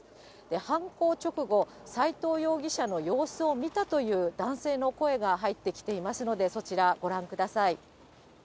犯行直後、斎藤容疑者の様子を見たという男性の声が入ってきていますので、そちら、ご覧ください。